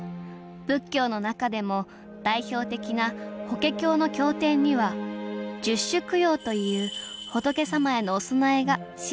仏教の中でも代表的な「法華経」の経典には「十種供養」という仏様へのお供えが記されているそうです